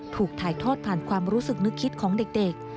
ถูกถ่ายทอดผ่านความรู้สึกนึกคิดของเด็ก